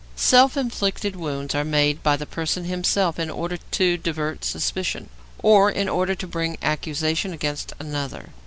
Self inflicted wounds are made by the person himself in order to divert suspicion, or in order to bring accusation against another.